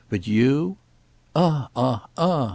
But you?" "Ah, ah, ah!"